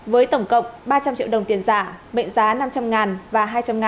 với tổng cộng ba trăm linh triệu đồng tiền giả mệnh giá năm trăm linh và hai trăm linh đồng